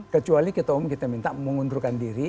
kecuali ketua umum kita minta mengundurkan diri